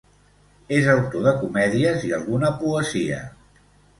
És autor de comèdies i alguna poesia.